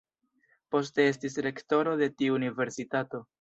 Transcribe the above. Poste estis rektoro de tiu universitato.